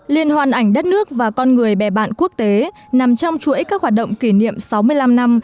liên hoan ảnh đất nước và con người bè bạn quốc tế nằm trong chuỗi các hoạt động kỷ niệm sáu mươi năm năm